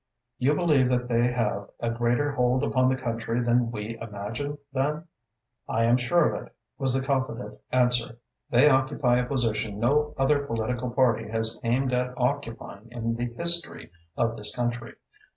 "You believe that they have a greater hold upon the country than we imagine, then?" "I am sure of it," was the confident answer. "They occupy a position no other political party has aimed at occupying in the history of this country.